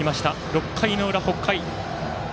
６回の裏、北海。